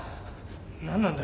何なんだ？